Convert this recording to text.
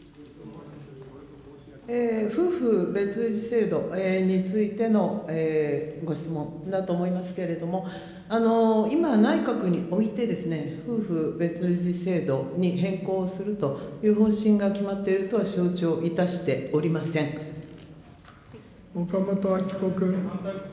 夫婦別氏制度についてのご質問だと思いますけれども、今、内閣において、夫婦別氏制度に変更するという方針が決まっているとは承知をいた岡本あき子君。